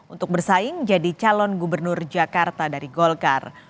untuk bersaing jadi calon gubernur jakarta dari golkar